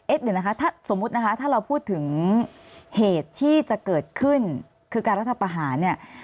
เอ็ดหนึ่งนะคะสมมุติถ้าเราพูดถึงเหตุที่จะเกิดขึ้นคือการรัฐประหาร